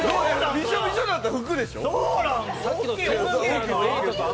びしょびしょなったらふくでしょう。